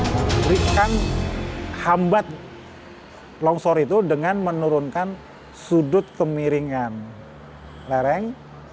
memberikan hambat longsor itu dengan menurunkan sudut kemiringan lereng